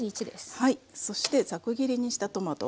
そしてざく切りにしたトマト。